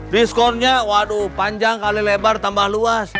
discone nya panjang kali lebar tambah luas